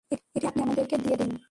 এটি আপনি আমাদেরকে দিয়ে দিন।